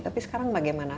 tapi sekarang bagaimana